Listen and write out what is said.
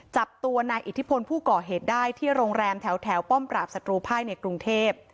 จับตัวนายอิทธิพลผู้ก่อเหตุได้ที่โรงแรมแถวป้อมปราบศัตรูไพ่ในกรุงเทพ